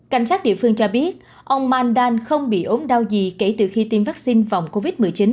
cảnh sát địa phương cho biết ông mandan không bị ốm đau gì kể từ khi tiêm vaccine phòng covid một mươi chín